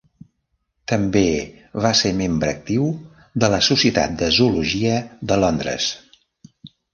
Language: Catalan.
També va ser membre actiu de la Societat de zoologia de Londres.